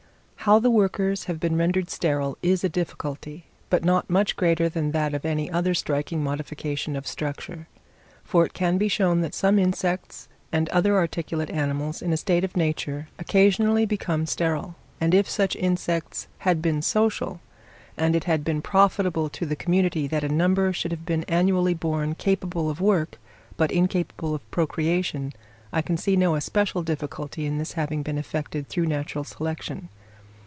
How the workers have been rendered sterile is a difficulty; but not much greater than that of any other striking modification of structure; for it can be shown that some insects and other articulate animals in a state of nature occasionally become sterile; and if such insects had been social, and it had been profitable to the community that a number should have been annually born capable of work, but incapable of procreation, I can see no especial difficulty in this having been effected through natural selection.